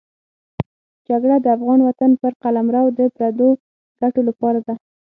جګړه د افغان وطن پر قلمرو د پردو ګټو لپاره ده.